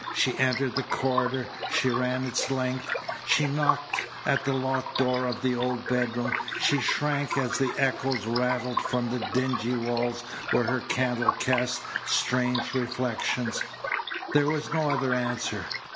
She entered the corridor. She ran its length. She knocked at the locked door of the old bedroom. She shrank as the echoes rattled from the dingy walls where her candle cast strange reflections. There was no other answer.